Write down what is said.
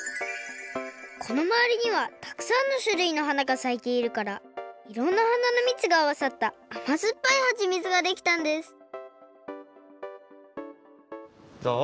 このまわりにはたくさんのしゅるいの花がさいているからいろんな花のみつがあわさったあまずっぱいはちみつができたんですじゃあ